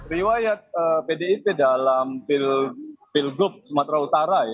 riwayat pdip dalam pilgub sumatera utara